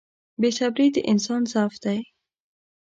• بې صبري د انسان ضعف دی.